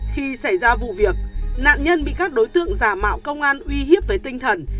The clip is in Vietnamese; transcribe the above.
khi xảy ra vụ việc nạn nhân bị các đối tượng giả mạo công an uy hiếp với tinh thần